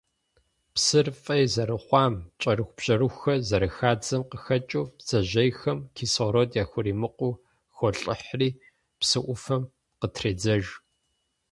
Псыр фӀей зэрыхъуам, кӀэрыхубжьэрыхухэр зэрыхадзэм къыхэкӀыу, бдзэжьейхэм кислород яхуримыкъуу холӀыхьри, псы Ӏуфэм къытредзэж.